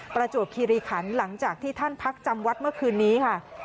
ประจวบคิริขันหลังจากที่ท่านพักจำวัดเมื่อคืนนี้ค่ะ